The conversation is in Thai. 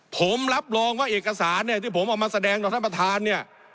ผมรับรองว่าเอกสารเนี่ยที่ผมเอามาแสดงต่อท่านประธานเนี่ย